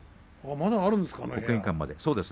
まだあるんですか？